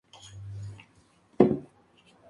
Poseía un cráneo estrecho dotado de dientes curvos.